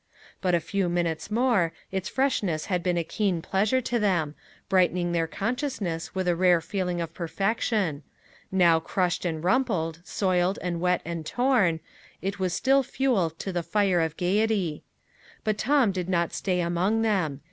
But a few minutes before, its freshness had been a keen pleasure to them, brightening their consciousness with a rare feeling of perfection; now crushed and rumpled, soiled and wet and torn, it was still fuel to the fire of gayety. But Tom did not stay among them.